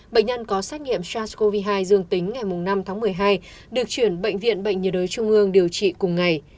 bệnh nhân có xét nghiệm sars cov hai dương tính ngày năm tháng một mươi hai được chuyển bệnh viện bệnh nhiệt đới trung ương điều trị cùng ngày